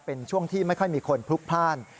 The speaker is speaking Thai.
เป็นช่วงที่ไม่ค่อยมีคนพลุกพลาด